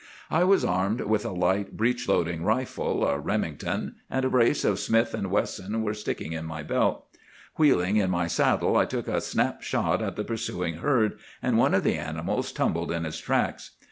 "I was armed with a light breech loading rifle,—a Remington,—and a brace of Smith & Wessons were sticking in my belt. Wheeling in my saddle I took a snap shot at the pursuing herd, and one of the animals tumbled in his tracks.